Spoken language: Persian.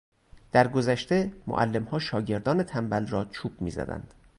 در گذشته معلمها شاگردان تنبل را چوب میزدند.